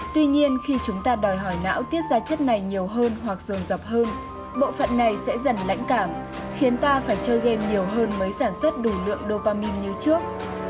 tuy nhiên khi chúng ta đòi hỏi não tiết ra chất này nhiều hơn hoặc rồn rập hơn bộ phận này sẽ dần lãnh cảm khiến ta phải chơi game nhiều hơn mới sản xuất đủ lượng novamin như trước